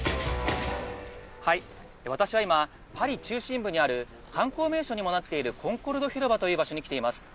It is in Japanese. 私は今、パリ中心部にある観光名所にもなっているコンコルド広場という場所に来ています。